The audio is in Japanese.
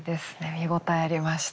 見応えありました。